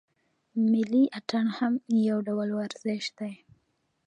ملي اتڼ هم یو ډول ورزش دی.